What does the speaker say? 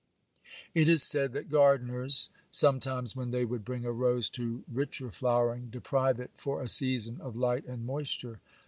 It is said that gardeners, sometimes, when they would bring a rose to richer flowering, deprive it for a season of light and moisture.